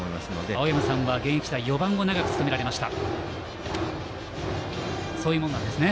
青山さんは現役時代４番を長く務められました。